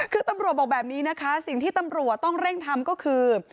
คือตำรวจบอกแบบนี้นะคะสิ่งที่ตำรวจต้องเร่งทำก็คือ